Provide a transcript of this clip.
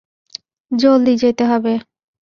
জলদি যেতে হবে।